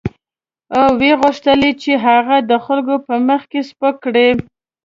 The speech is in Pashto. او وغوښتل یې چې هغه د خلکو په مخ کې سپک کړي.